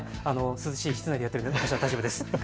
涼しい室内でやっているので私は大丈夫です。